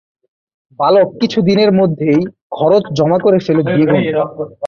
বালক কিছু দিনের মধ্যেই খরচ জমা করে ফেলে দ্বিগুণ।